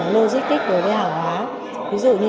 logistic về hàng hóa ví dụ như